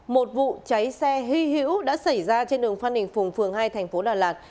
một vụ cháy xe hy hữu đã xảy ra trên đường phan đình phùng phường hai thành phố đà lạt